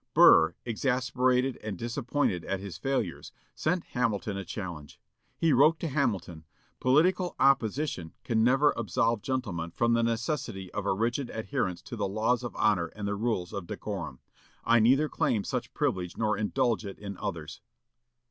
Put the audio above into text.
Burr, exasperated and disappointed at his failures, sent Hamilton a challenge. He wrote to Hamilton, "Political opposition can never absolve gentlemen from the necessity of a rigid adherence to the laws of honor and the rules of decorum. I neither claim such privilege nor indulge it in others."